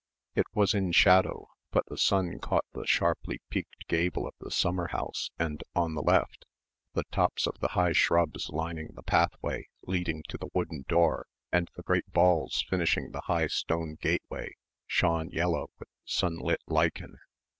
It was in shadow, but the sun caught the sharply peaked gable of the summer house and on the left the tops of the high shrubs lining the pathway leading to the wooden door and the great balls finishing the high stone gateway shone yellow with sunlit lichen.